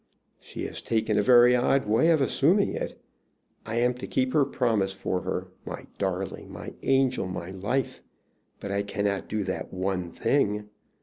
"She has taken a very odd way of assuming it. I am to keep her promise for her, my darling, my angel, my life! But I cannot do that one thing.